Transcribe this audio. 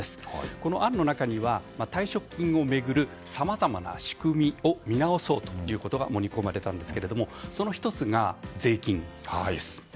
この案の中には、退職金を巡るさまざまな仕組みを見直そうということが盛り込まれたんですがその１つが税金です。